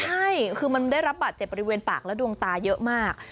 ใช่คือมันได้รับบาดเจ็บบริเวณปากและดวงตาเยอะมาก